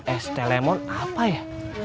es teh lemon apa ya